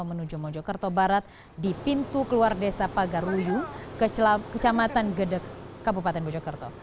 menuju mojokerto barat di pintu keluar desa pagaruyu kecamatan gedek kabupaten mojokerto